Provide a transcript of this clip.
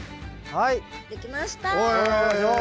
はい。